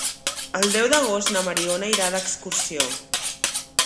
El deu d'agost na Mariona irà d'excursió.